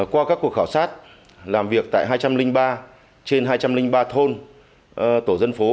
qua các cuộc khảo sát làm việc tại hai trăm linh ba trên hai trăm linh ba thôn tổ dân phố